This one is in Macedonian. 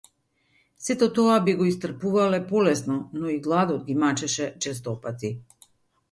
Сето тоа би го истрпувале полесно, но и гладот ги мачеше честопати.